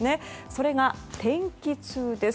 それが天気痛です。